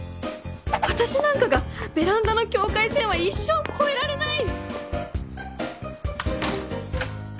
私なんかがベランダの境界線は一生越えられない！